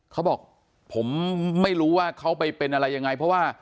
เขาบอกผมไม่รู้ว่าเขาไปเป็นอะไรยังไงเพราะว่า